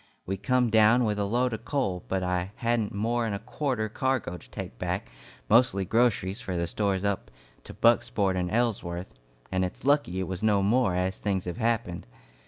We come down with a load of coal, but I hadn't more 'n a quarter cargo to take back, mostly groceries for the stores up to Bucksport and Ellsworth, and it's lucky it was no more, as things have happened.